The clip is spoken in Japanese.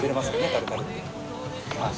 タルタルって。